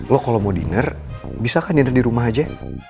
lo kalau mau dinner bisa kan dinner di rumah aja